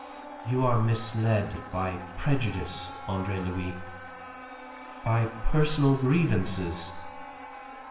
"You are misled by prejudice, Andre Louis, by personal grievances.